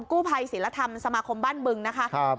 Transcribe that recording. กู้ภัยศิลธรรมสมาคมบ้านบึงนะคะ